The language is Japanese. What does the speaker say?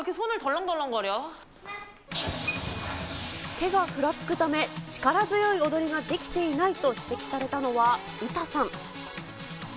手がふらつくため、力強い踊りができていないと指摘されたのは、ウタさん。